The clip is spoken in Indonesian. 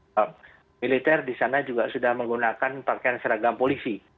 bahwa militer di sana juga sudah menggunakan pakaian seragam polisi